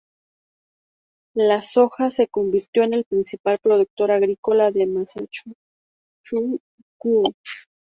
La soja se convirtió en el principal producto agrícola de Manchukuo.